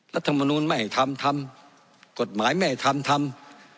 รัฐมนูลไม่ทำทำกฎหมายไม่ทำทำ